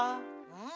うん？